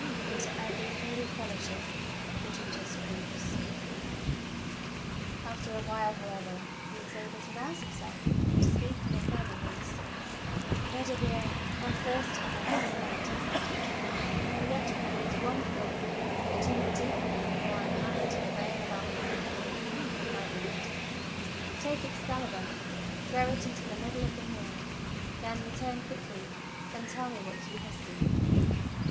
Into every holy fellowship the Judas creeps!" After a while, however, he was able to rouse himself and to speak in a firmer voice. "Bedivere, my first and my last knight," he said, "there yet "A RUINED CHAPEL IN A FIELD NEAR BY"* •01(1 Castle, Michel. [Courtesy Braun et Cie.] remains one thing that jmu may do for me before I pass to the vale of Avalon for the healing of my wound. Take Excalibur, throw it into the middle of the mere, then retunn quickly and tell me what you have seen."